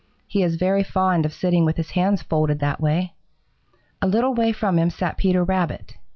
He is very fond of sitting with his hands folded that way. A little way from him sat Peter Rabbit.